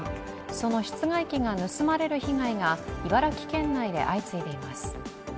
その室外機が盗まれる被害が茨城県内で相次いでいます。